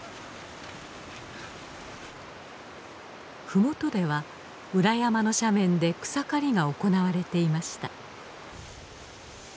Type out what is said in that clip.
ふもとでは裏山の斜面で草刈りが行われていました。